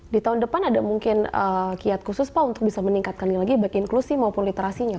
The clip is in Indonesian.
di tahun depan ada mungkin kiat khusus pak untuk bisa meningkatkan lagi baik inklusi maupun literasinya pak